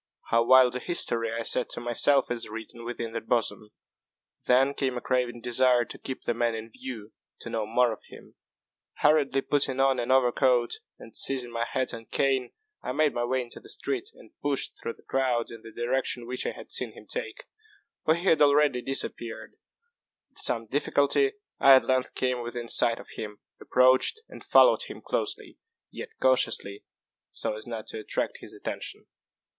"How wild a history," I said to myself, "is written within that bosom!" Then came a craving desire to keep the man in view to know more of him. Hurriedly putting on an overcoat, and seizing my hat and cane, I made my way into the street, and pushed through the crowd in the direction which I had seen him take; for he had already disappeared. With some little difficulty I at length came within sight of him, approached, and followed him closely, yet cautiously, so as not to attract his attention.